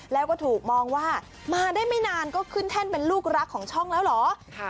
แล้วก็ถูกมองว่ามาได้ไม่นานก็ขึ้นแท่นเป็นลูกรักของช่องแล้วเหรอ